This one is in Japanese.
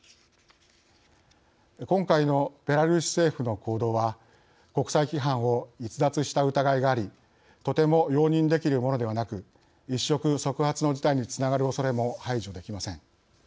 今回のベラルーシ政府の行動は国際規範を逸脱した疑いがありとても容認できるものではなく一触即発の事態につながるおそれも排除できません。